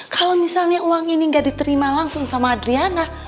kalau misalnya uang ini nggak diterima langsung sama adriana